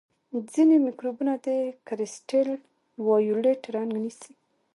ځینې مکروبونه د کرسټل وایولېټ رنګ نیسي.